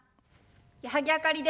矢作あかりです。